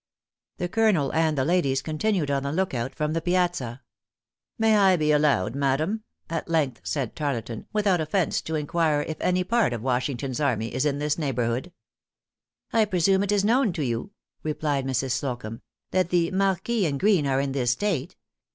The Colonel and the ladies continued on the lookout from the piazza. "May I be allowed, madam," at length said Tarleton, "without offence, to inquire if any part of Washington's army is in this neighborhood." "I presume it is known to you,", replied Mrs. Slocumb, "that the Marquis and Greene are in this State.